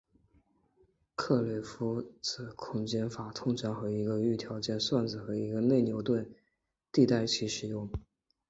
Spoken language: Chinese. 克雷洛夫子空间法通常和一个预条件算子和一个内牛顿迭代一起使用。